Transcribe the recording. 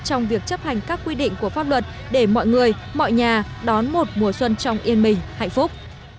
trong việc chấp hành các quy định của pháp luật để mọi người mọi nhà đón một mùa xuân trong yên bình hạnh phúc